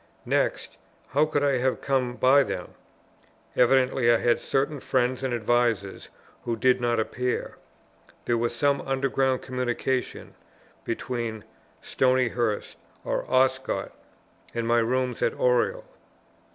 Next, how could I have come by them? Evidently, I had certain friends and advisers who did not appear; there was some underground communication between Stonyhurst or Oscott and my rooms at Oriel.